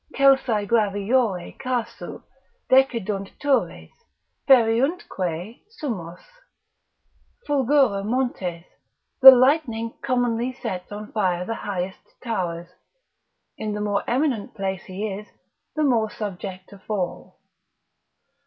———celsae graviore casu Decidunt turres, feriuntque summos Fulgura montes, the lightning commonly sets on fire the highest towers; in the more eminent place he is, the more subject to fall.